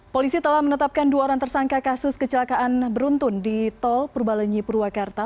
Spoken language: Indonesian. polisi telah menetapkan dua orang tersangka kasus kecelakaan beruntun di tol purbalenyi purwakarta